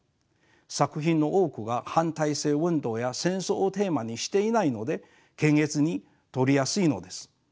作品の多くが反体制運動や戦争をテーマにしていないので検閲に通りやすいのです。